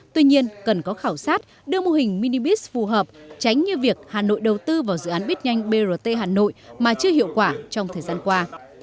tuy nhiên cần có khảo sát đưa mô hình minipis phù hợp tránh như việc hà nội đầu tư vào dự án bít nhanh brt hà nội mà chưa hiệu quả trong thời gian qua